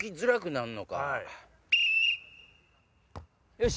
よし！